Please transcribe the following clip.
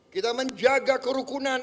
kita menjaga kerukunan